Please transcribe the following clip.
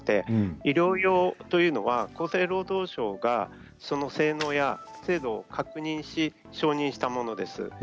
医療用は厚生労働省がその性能や精度を確認して承認したものです。